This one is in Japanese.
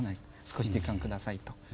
少し時間下さいと。